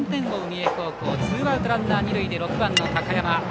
三重高校ツーアウトランナー、二塁で６番の高山。